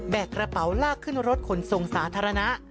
กระเป๋าลากขึ้นรถขนส่งสาธารณะ